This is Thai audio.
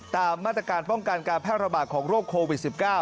ตามมาตรการป้องกันการแพร่ระบาดของโรคโควิด๑๙